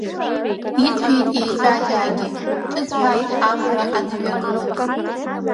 Ицәеит, Еҵәаџьаагьы ҿыцәааит амра аныҩагыла!